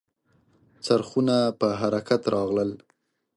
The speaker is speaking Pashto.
څرخونه په حرکت راغلل .